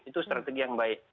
itu strategi yang baik